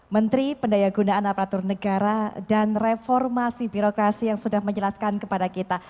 menteri pendaya gunaan aparatur negara dan reformasi birokrasi yang sudah menjelaskan kepada kita